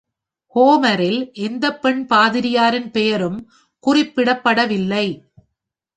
ஹோமரில் எந்த பெண் பாதிரியாரின் பெயரும் குறிப்பிடப்படவில்லை.